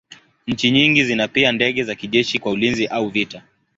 Nchi nyingi zina pia ndege za kijeshi kwa ulinzi au vita.